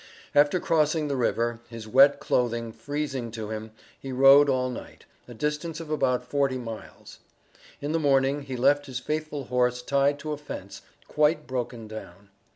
After crossing the river, his wet clothing freezing to him, he rode all night, a distance of about forty miles. In the morning he left his faithful horse tied to a fence, quite broken down.